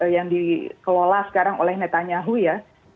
yang dikelola sekarang oleh netanyahu ya